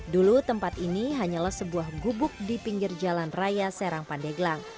dulu tempat ini hanyalah sebuah gubuk di pinggir jalan raya serang pandeglang